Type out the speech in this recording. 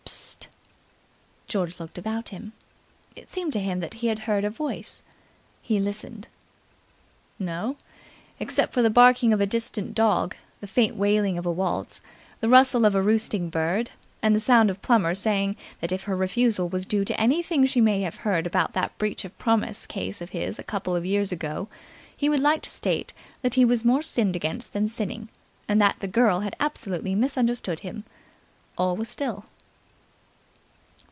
"Psst!" George looked about him. It seemed to him that he had heard a voice. He listened. No. Except for the barking of a distant dog, the faint wailing of a waltz, the rustle of a roosting bird, and the sound of Plummer saying that if her refusal was due to anything she might have heard about that breach of promise case of his a couple of years ago he would like to state that he was more sinned against than sinning and that the girl had absolutely misunderstood him, all was still.